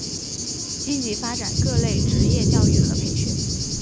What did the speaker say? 积极发展各类职业教育和培训。